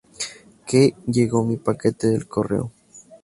¿ Qué? ¿ llego mi paquete del correo?